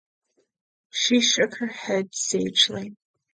She shook her head sagely.